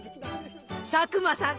佐久間さん